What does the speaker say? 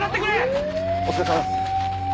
お疲れさまです。